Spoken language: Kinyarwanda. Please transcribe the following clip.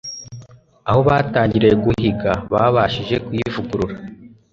Aho batangiriye guhiga, babashije kuyivugurura